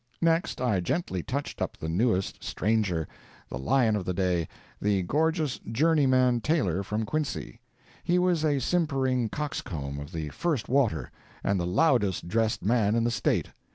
Next I gently touched up the newest stranger—the lion of the day, the gorgeous journeyman tailor from Quincy. He was a simpering coxcomb of the first water, and the "loudest" dressed man in the State.